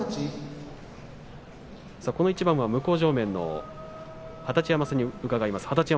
この一番向正面二十山さんに伺います。